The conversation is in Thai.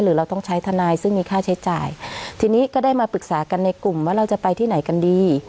เราต้องใช้ทนายซึ่งมีค่าใช้จ่ายทีนี้ก็ได้มาปรึกษากันในกลุ่มว่าเราจะไปที่ไหนกันดี